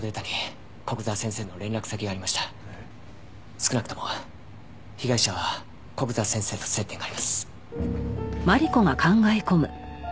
少なくとも被害者は古久沢先生と接点があります。